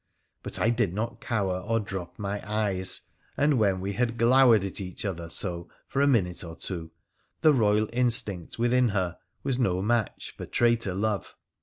But I did not cower or drop my eyes, and, when we had glowered at each other so for a minute or two, the Boyal instinct within her was no match for traitor Love.